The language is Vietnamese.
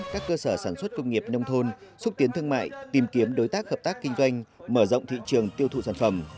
các cơ sở sản xuất công nghiệp nông thôn xúc tiến thương mại tìm kiếm đối tác hợp tác kinh doanh mở rộng thị trường tiêu thụ sản phẩm